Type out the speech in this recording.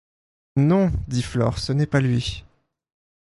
Non, dit Flore, ce n'est pas lui.